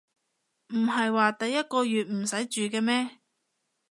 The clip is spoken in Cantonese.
唔係話第一個月唔使住嘅咩